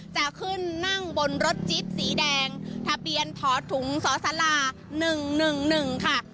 จะขึ้นนั่งบนรถจิ๊บสีแดงถ้าเปลี่ยนถอดถุงสอสาราหนึ่งหนึ่งหนึ่งค่ะ